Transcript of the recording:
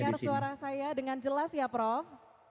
bisa mendengar suara saya dengan jelas ya prof